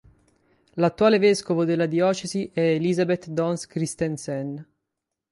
L'attuale vescovo della diocesi è Elisabeth Dons Christensen.